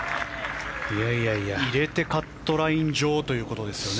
入れてカットライン上ということですよね。